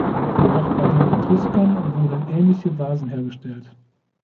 Auch bei den Etruskern wurden ähnliche Vasen hergestellt.